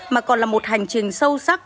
mà còn là một hành trình sâu sắc